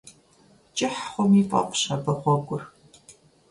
КӀыхь хъуми фӀэфӀщ абы гъуэгур.